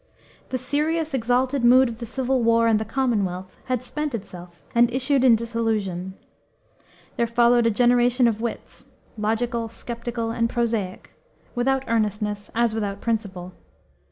The serious, exalted mood of the Civil War and the Commonwealth had spent itself and issued in disillusion. There followed a generation of wits, logical, skeptical, and prosaic, without earnestness, as without principle.